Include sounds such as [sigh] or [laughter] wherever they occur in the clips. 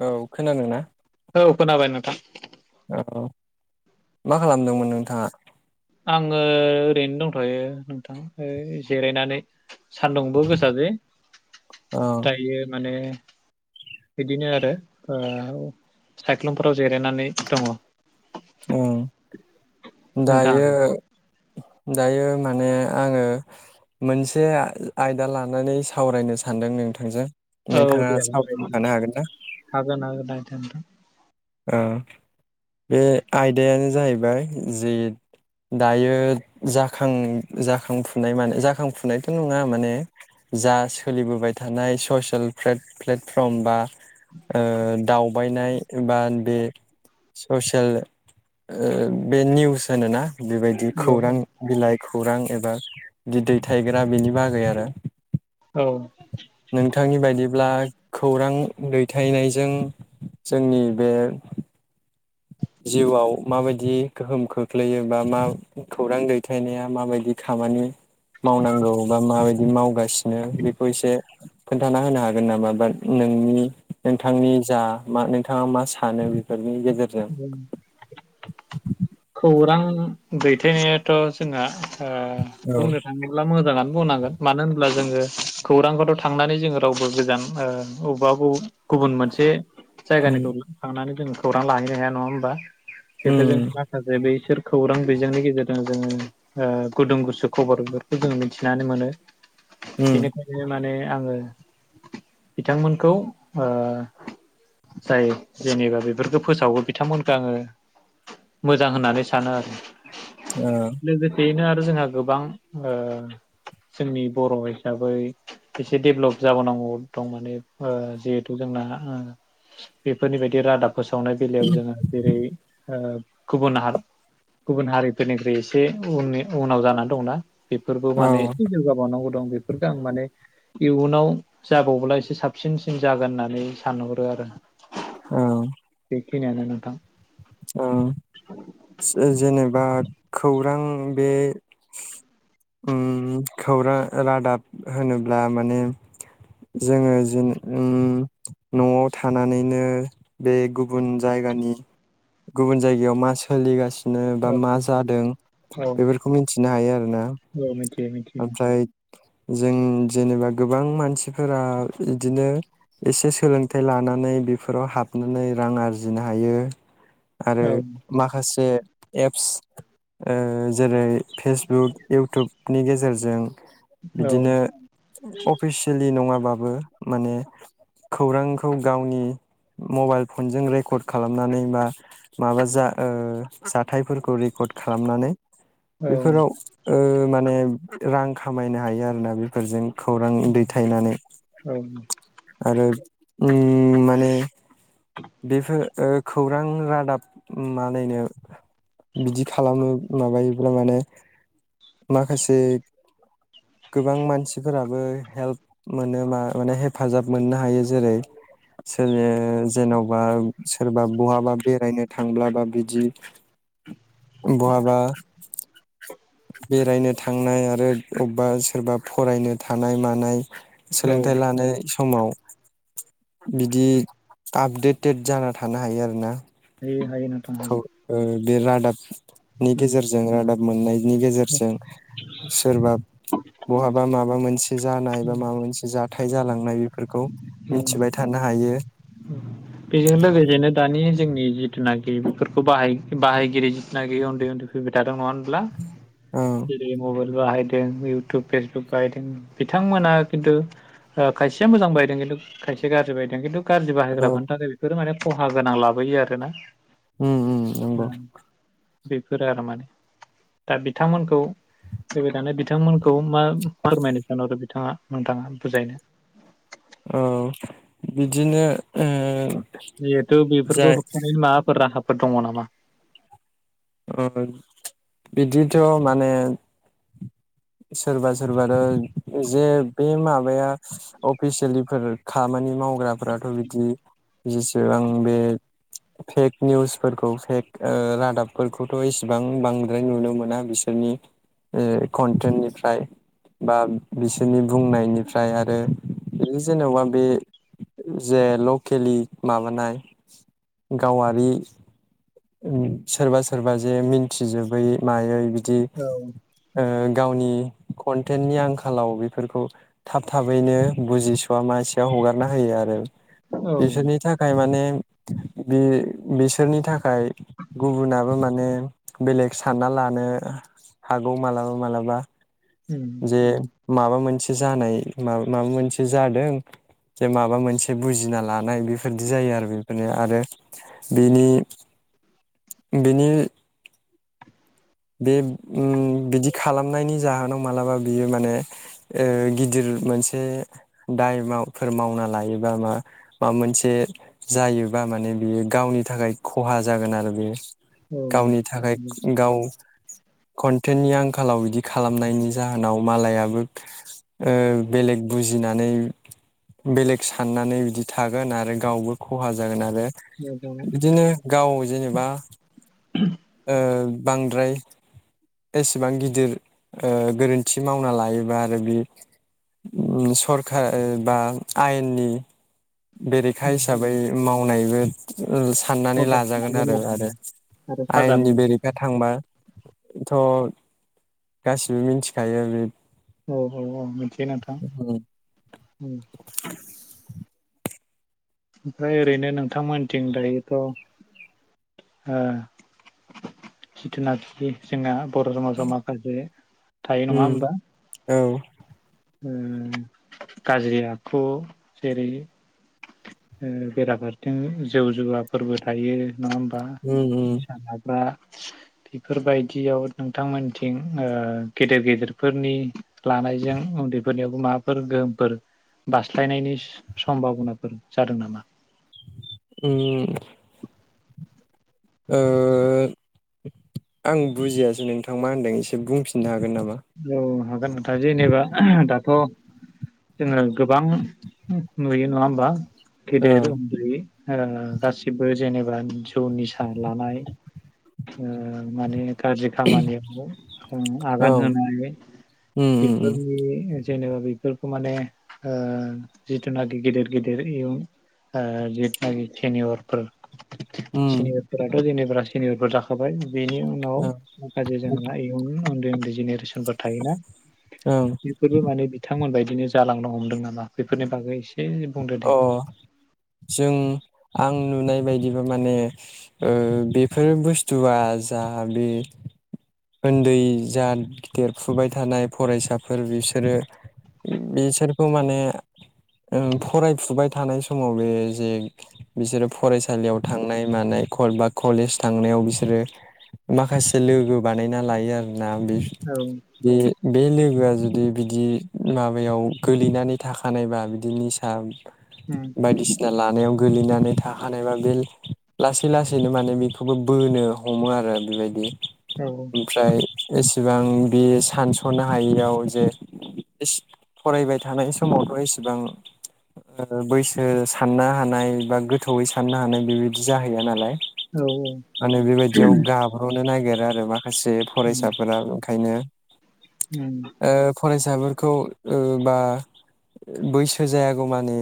औ खोनादों ना? औ खोनाबाय नोंथां। औ मा खालामदोंमोन नोंथांङा? आंङो ओरैनो दंथ'यो नोंथां ओ जिरायनानै। सान्दुंबो गोसा जे औ दायो माने बिदिनो आरो सायख्लुमफोराव जिरायनानै दङ। ओम नोंथां दायो। दायो माने आङो मोनसे आयदा लानानै सावरायनो सानदों नोंथांजों। औ नोंथाङा दे सावरायनो होन थानो हागोन ना हागोन हागोन नोंथां। ओ। बे आयदायानो। जाहैबाय जि दायो जाख जाखांफुनाय माने जाखांफुनायथ' नङा माने जा सोलिबोबाय थानाय ससियेल प्लेटफर्म बा। दावबायनाय। बा बे ससियेल बे निउस होनोना। बेबायदि औ खौरां बिलाइ। खौरां एबा बि दै थायग्रा बिनि बागै आरो। औ। नोंथांनि बायदिब्ला खौरां दैथायनायजों जोंनि बे। जिउआव माबायदि गोहोम खोख्लैयो बा मा खौरां दैथायनाया माबायदि खामानि मावनांगौ बा माबायदि मावगासिनो बेखौ एसे खोन्थाना होनो हागोन नामा बाट नोंनि नोंथांनि जा मा नोंथाङा मा सानो बेफोर। बिनि गेजेरजों। खौरां। दैथायनायाथ' जोंना। औ बुंनो थाङोब्ला मोजाङानो। बुंनांगोन मानो होनोबब्ला जोङो खौरांफोराराव थांनानै जोङो रावबो गोजान बबेबा बब गुबुन मोनसे। उम जायगानिखौ थांनानै दोन। खौरां ला। हाया नङा होमबा। उम [unintelligible] माखासे बैफोर खौरां बिजोंनि गेजेरजों जोङो गुदुं गुसु खबर बेफोरखौ जों मिथिनानै मोनो। उम बिनिखायनो माने। आङो बिथांमोनखौ जाय जेनेबा बेफोरखौ फोसावो। बिथांमोनखो आङो मोजां होननानै सानो आरो। ओ लोगोसेयैनो आ। जोंहा गोबां जोंनि बर' हिसाबै एसे डेभेलप जाबोनांगौ दं माने जिहेथु जोंना बेफोरनि बायदि रादाब फोसावनाय बेलायाव। जोङो जेरै गुबुन ह गुबुन हारिफोरनिख्रुइ एसे उननि उनाव जानानै दंना। बेफोरबो माने औ एसे जौगाबावनांगौ दं बे। बेफोरखौ आं माने इयुनाव जाबावब्ला एसे साबसिनसिन जागोन होननानै सानहरो आरो। ओम। फैनायानो नोंथां। औ जेनेबा खौरां बे उम खौरा रादाब होनोब्ला माने जोङो जिन उम नआव थानानैनो बे गुबुन जायगानि गुबुन जायगायाव मा सोलिगासि बिदिनो बा औ मा जादों औ बेफोरखौ मिथिनो हायो आरोना औ मिथियो मिथियो ओमफ्राय जों जेनेबा गोबां मानसि फोरा इदिनो एसे सोलोंथाइ ला नानै बेफोराव हाबनानै रां आरजिनो हायो। आरो औ माखासे एप्स ओ जेरै- फेसबुक इउटुबनि गेजेरजों औ बिदिनो अफिसियेलि नङा बाबो माने खौरांखौ गावनि मबाइल फनजों रेकर्ड खालामनानै बा माबा जा ओ जाथायफोरखौ रेकर्ड खालामनानै औ बेफोराव ओ माने रां खामायनो हायो आरोना बेफोरजों। खौरां दैथायनानै औ आरो उम माने बेफोर ओ खौरां रादाब मानायनो बिदि खालामो माबायोब्ला माने माखासे गोबां मानसिफोराबो हेल्प मोनो मा-माने हेफाजाब मोननो हायो जेरै- सोलो जेनबा सोरबा बहाबा बे बेरायनो थांब्लाबा बिदि बहाबा बेरायनो थांनाय आरो अबबा सोरबा फरायनो थानाय मानाय औ सोलोंथाइ लानाय समाव बिदि आपडेटेड जाना थानो हायो आरोना। हायो। हायो नोंथां खौ हायो। ओ बे रादाब नि गेजेरजों रादाब मोननायनि गेजेरजों सोरबा बहाबा माबा मोनसे जानाय बा माबा मोनसे जाथाय जालांनाय बेफोरखौ उम मिथिबाय थानो हायो उम बेजों लोगोसेनो दानि जोंनि जिथुनाखि बेफोरखौ बाहाय बाहायगिरि जिथुनाखि उन्दै उन्दै फैबाय था दङ होनब्ला ओं जेरै- मबाइल बाहायदों इउटुब फेसबुक बाहायदों बिथांमोना खिन्थु ओ खायसेया मोजां बाहायदों खिन्थु खायसे गाज्रि बायदों खिन्थु गाज्रि औ बाहायग्रफोरनि थाखाय बेफोरो माने खहा गोनां लाबोयो आरोना। उम उम नंगौ। बेफोरो आरो माने दा बिथांमोनखौ फैबाय थानाय बिथांमोनखौ मा फोरमायनो सानहरो बि थाङा नोंथाङा बुजायनो औ बिदिनो ओ जिहेथु बेफोरखौ जाय होबथानायनि माबाफोर राहा फोर दंङ नामा ओ बिदिथ' माने सोरबा सोरबाथ' जे बे माबाया अफिसियेलिफोर खामानि मावग्राफोराथ' बिदि जेसेबां बे फेक निउसफोरखौ फेक रादाब फोरखौथ' इसेबां बांद्राय नुनो मोना बिसोरनि कनन्टेनिफ्राय बा बिसोरनि बुंनायनिफ्राय आरो बिदि जेनेबा बे जे लकेलि माबानाय गावारि सोरबा सोर सोरबा जे मिन्थिजोबै मायै बिदि बिदि औ ओ गावनि कन्टेननि आंखालाव बेफोरखौ थाब थाबैनो बुजिसवा मासवा हगारना होयो आरो औ बिसोरनि थाखाय माने बि बिसोरनि थाखाय गुबुना माने बेलेग सानना लानो हागौ मालाबा मालाबा उम जे माबा मोनसे जानाय माबा माबा मोनसे जादों जे माबा मोनसे बुजिना लानाय बेफोरदि जायो आरो बेफोरनिया आरो बिनि बिनि बे उम बिदि खालामनायनि जाहोनाव मालाबा बियो माने गिदिर मोनसे दायफोर मावना लायोबा माबा मोनसे जायोबा माने बियो गावनि थाखाय खहा जागोन आरो बियो औ गावनि थाखाय गाव कन्टेननि आंखालाव बिदि खालामनायनि जाहोनाव मालायाबो ओ बेलेग बुजिनानै बेलेग साननानै बिदि थागोन आरो गावबो खहा जागोन आरो मोजां बिदिनो गाव जेनेबा ओ बांद्राय एसेबां गिदिर ओ गोरोन्थि मावना लायोबा आरो बे ओ सरखारा बा ओ आयेननि बेरेखा हिसाबै मावनायबो ओ साननानै लाजागोन आरो आरो आरो साजा आयेननि मोनगोन बेरेखा थांबा थ' गासिबो मिथिखायो बे औ औ औ मिथिबाय नोंथां ओमफ्राय ओरैनो नोंथां मोनथिं दायोथ' ओ खेथिना खेथि जोंना बर' समाजाव माखासे थायो नङा उम होनबा औ उम गाज्रि आखु जेरै उम बेराफासेथिं जौ जुवाफोरबो थायो नङा होनबा उम उम निसा जाग्रा बेफोरबायदियाव नोंथांमोनथिं ओ गेदेर गेदेरफोरनि लानायजों उन्दैफोरनियावबो माबाफोर गोहोमफोर बास्लायनायनि सम्भाबनाफोर जादों नामा उम [inaudible] ओ आं बुजियासै नोंथां मा होनदों एसे बुंफिननो हागोन नामा? औ हागोन नोंथां जेनेबा दाथ' जोङो गोबां नुयो नङा होमबा। औ गेदेर उन्दै ओ गासिबो जेनेबा जौ निसा लानाय ओ माने गारजि खामानियाव उम आगान औ होन बे उम उम उम बेफोरनि जेनेबा बेफोरखौ माने ओ जिथुनाखि गेदिर गेदिर इयुन ओ जिथुनाखि सेनियरफोर उम सेनियरफोराथ' जेनेब‌ फोरा सेनियरफोर जाखाबाय उम। बेनि उनाव ओं माखासे जोंहा इयुन ओन बे ओन्दै जेनेरेसन फोरबो थायोना। ओं बेफोरबो माने बिथांमोनबाय दिनो जालांनो हमदों नामा बेफोरनि बागै इसे अ जों आं नुनाय बायदिबा माने ओ बेफोर बुस्थुआ जा बे ओन्दै जा देरफुबाय थानाय फरायसाफोर बिसोरो बिसोरखौ माने ओ फरायफुबाय थानाय समाव बे जे बिसोरो फरायसालियाव थांनाय मानाय कल बा कलेज थांनायाव बिसोरो माखासे लोगो बानायना लायो आर ना बे औ उम बे लोगोआ जु दि बिदि माबायाव गोलैनानै थाखानायबा बि दि निसा बायदिसिना लानायाव गोलैनानै थाखानायबा बे लासै लासैनो माने बेखौबो बोनो हमो आरो बेबायदि। औ ओमफ्राय एस सेबां बे सानस'नो हायैयाव जे इस फरायबाय थानाय समावथ' एसेबां ओ बैसो साननो हानाय बा गोथौयै साननो हानाय बेबायदि जाहैया नालाय औ माने बेबायदियाव गाब्रनो नागिर ओ आरो बा खासे उम फरायसाफोरा ओंखायनो उम ओ कलेज साफोरखौ ओ बा बैस सो जायागौ मानि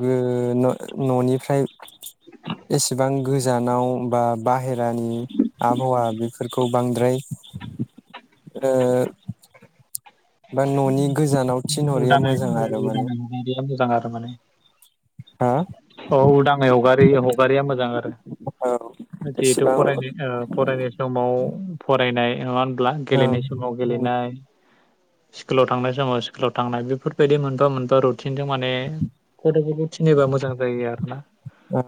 गो न'-न'निफ्राय एसेबां गोजानाव बा बाहेर रानि आबहावा बे फोरखौ बांद्राय ओ बा न'नि गोजानाव थिनहरैया उदाङै मोजां ओ, आरो माने। हा औ उदाङै हगारै हगारैया मोजां आरो। औ जिहेथु एसेबां औ फरायनाय ओ फरायनाय समाव फरायनाय एमान ब्लां गेलेनाय समाव उम गेलेनाय स्कुलाव थांनाय समाव स्कुलाव थांनाय बेफोरबायदि मोनबा मोनबा रुद थिनजों माने फट'। थिनोबा मोजां जायो आरो ना। औ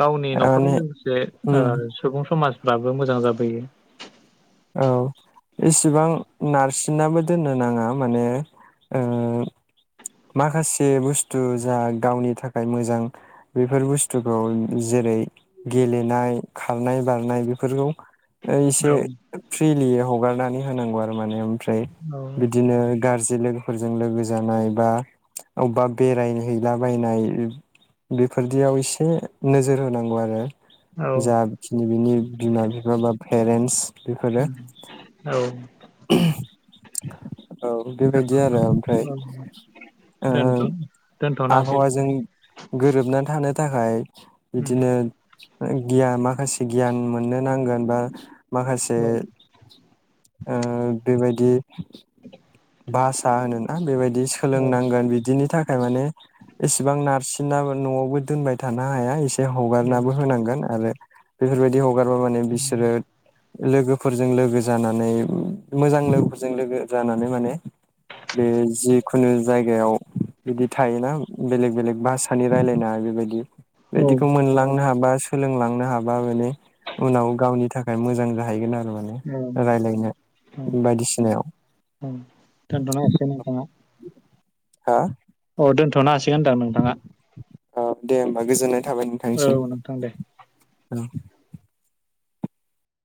गावनि माने न'खरनि लोगोसे उम सुबुं समाज। दाबो मोजां जाबोयो। औ इसिबां नारसिनाबो दोननो नाङा माने माखासे बुस्थु जा गावनि थाखाय मोजां बेफोर बुस्थुखौ जेरै गेलेनाय खारनाय बारनाय बेफोरखौ। एसे। औ फ्रिलि हगारनानै होनांगौ आरो माने। फ्राय बिदिनो गाज्रि लोगो। फोरजों लोगो जानाय बा अबेबा बेरायहैलाबायनाय बेफोरदियाव एसे नोजोर होनांगौ आरो। जााखिनै बिनि बिमा बिफा बा। पेरेन्टस। बेफोरो औ औ बेबायदि आरो ओमफ्राय औ औ दोनथ' दोनथ'नांसै आबहावाजों गोरोबनानै थानो। थाखाय। उम बिदिनो। गिया माखासे गियान मोननो नांगोन बा। माखासे। औ बेबायदि। भासा होनो। आ बेबायदि। बि औ सोलोंनांगोन बिदिनि थाखाय। थाखाय माने इसेबां नारसिनाबो न'आवबो दोनबाय थानो हाया एसे। ए औ हगारनाबो होनांगोन आरो। बेफोरबायदि ह। हगारबा माने बिसोरो। लोगोफोरजों लोगो जानानै मोजां लोगोफोरजों लोगो जानानै माने बे जिखुनु जायगायाव बिदि थायोना बेलेक बेलेक भाषानि रायलायनाय बेबायदि। औ बेदिखौ मोनलांनो हाबा। सोलोंलांनो हाबा माने उनाव गावनि थाखाय। खाय मोजां जाहैगोन आरो। माने रायलायनो औ बायदिसिनायाव। औ दोनथ'नो हासिगोन नोंथाङा हा। औ दोनथनो हासिगोन होनदां नोंथाङा। औ दे होमबा गोजोननाय। थाबायनो थांनिसिम औ नोंथां दे औ।